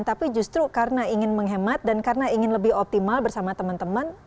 tapi justru karena ingin menghemat dan karena ingin lebih optimal bersama teman teman